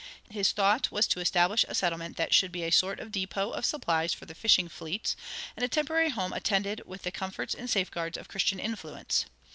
His thought was to establish a settlement that should be a sort of depot of supplies for the fishing fleets, and a temporary home attended with the comforts and safeguards of Christian influence.